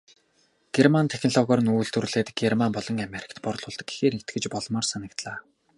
Герман технологиор нь үйлдвэрлээд Герман болон Америкт борлуулдаг гэхээр итгэж болмоор санагдлаа.